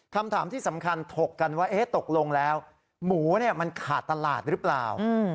คำถามที่สำคัญถกกันว่าตกลงแล้วหมูมันขาดตลาดหรือเปล่า